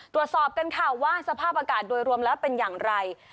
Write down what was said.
ตรวจสอบกันค่ะว่าสภาพอากาศโดยรวมแล้วเป็นอย่างไร